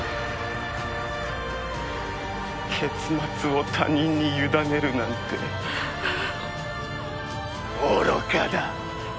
結末を他人に委ねるなんて愚かだ。